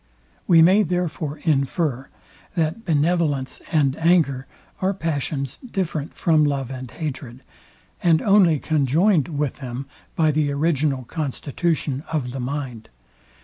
We may, therefore, infer, that benevolence and anger are passions different from love and hatred, and only conjoined with them, by the original constitution of the mind.